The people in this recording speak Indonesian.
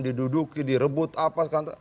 diduduki direbut apa